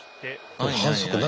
反則何？